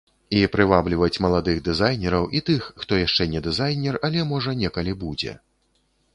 І прывабліваць маладых дызайнераў і тых, хто яшчэ не дызайнер, але, можа, некалі будзе.